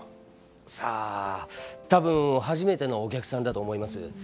さあ多分初めてのお客さんだと思います。